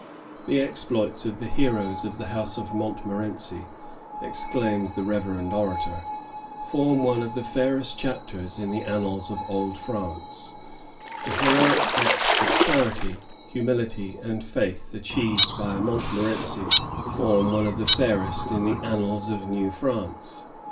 The exploits of the heroes of the House of Mont morency," exclaims the reverend orator, "form one of the fairest chapters in th^ annals of Old France; the heroic acts of charity, humility, and faith achieved by a Montmorency form one of the fairest in the annals of New France.